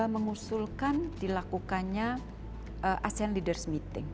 mengusulkan dilakukannya asean leaders meeting